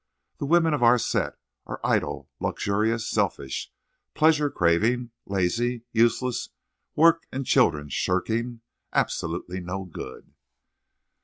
The women of our set are idle, luxurious, selfish, pleasure craving, lazy, useless, work and children shirking, absolutely no good."